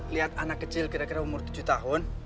lihat anak kecil kira kira umur tujuh tahun